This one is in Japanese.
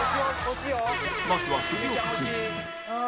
まずは振りを確認